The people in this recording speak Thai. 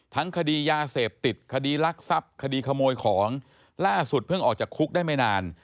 คดียาเสพติดคดีรักทรัพย์คดีขโมยของล่าสุดเพิ่งออกจากคุกได้ไม่นาน